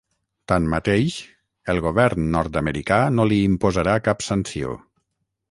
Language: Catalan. Tanmateix, el govern nord-americà no li imposarà cap sanció.